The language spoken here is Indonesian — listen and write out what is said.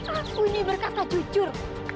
aku ini berkata jujur